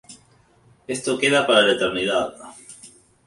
Esto queda para la eternidad".